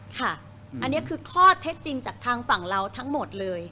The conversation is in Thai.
ค่ะอันนี้คือข้อเท็จจริงจากทางฝั่งเราทั้งหมดเลย